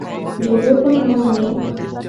যদিও কোনও নিয়ম নেই।